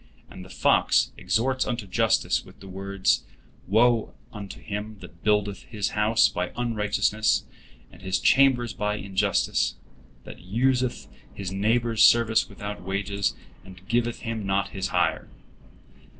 And the fox exhorts unto justice with the words: "Woe unto him that buildeth his house by unrighteousness, and his chambers by injustice; that useth his neighbor's service without wages, and giveth him not his hire."